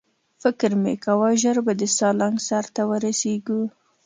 فکر مې کاوه ژر به د سالنګ سر ته ورسېږو.